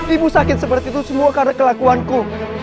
ibu sakit seperti itu semua karena kelakuanku